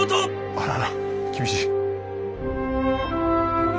あらら厳しい。